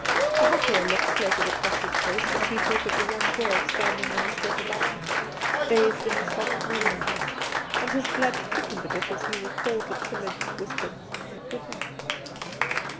A happier look floated across his face as he thought of the young girl standing on the step above him, bathed in the soft moonlight, and his blood quickened a bit as he recalled the timid whispered ' Good night.'